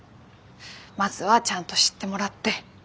まずはちゃんと知ってもらって。